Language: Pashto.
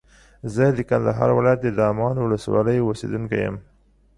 زه د کندهار ولایت د دامان ولسوالۍ اوسېدونکی یم.